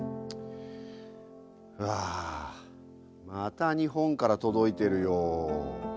うわまた日本から届いてるよ。